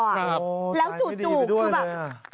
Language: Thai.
แล้วจุดจุดคือแบบ